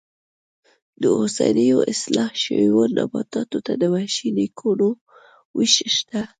د اوسنیو اصلاح شویو نباتاتو د وحشي نیکونو وېش شته.